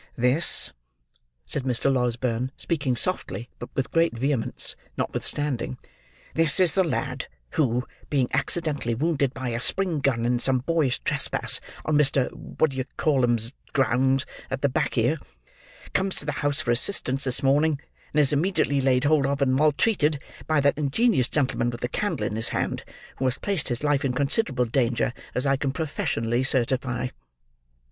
"This," said Mr. Losberne, speaking softly, but with great vehemence notwithstanding, "this is the lad, who, being accidently wounded by a spring gun in some boyish trespass on Mr. What d' ye call him's grounds, at the back here, comes to the house for assistance this morning, and is immediately laid hold of and maltreated, by that ingenious gentleman with the candle in his hand: who has placed his life in considerable danger, as I can professionally certify."